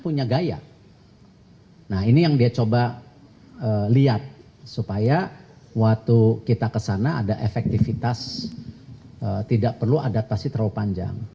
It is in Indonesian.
nah ini yang dia coba lihat supaya waktu kita kesana ada efektivitas tidak perlu adaptasi terlalu panjang